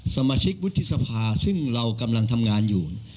สมาชิกวุฒิสภาซึ่งเรากำลังทำงานอยู่